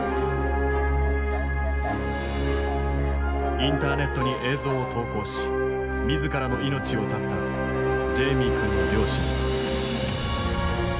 インターネットに映像を投稿し自らの命を絶ったジェイミー君の両親。